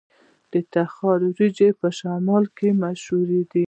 د تخار وریجې په شمال کې مشهورې دي.